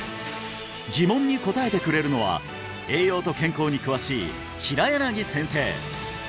疑問に答えてくれるのは栄養と健康に詳しい平柳先生